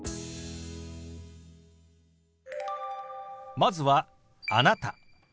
まずは「あなた」。